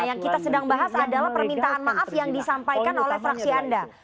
yang kita sedang bahas adalah permintaan maaf yang disampaikan oleh fraksi anda